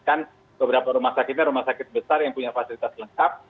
kan beberapa rumah sakitnya rumah sakit besar yang punya fasilitas lengkap